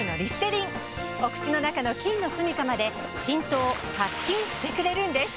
お口の中の菌のすみかまで浸透・殺菌してくれるんです。